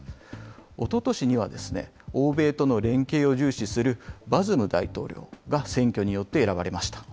おととしには、欧米との連携を重視するバズム大統領が選挙によってえらばれました。